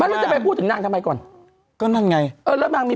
โอ้วแต่แองจิตตบปากร้อยกี่